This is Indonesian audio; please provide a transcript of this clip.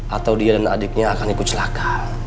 atau dia dan adiknya akan ikut celaka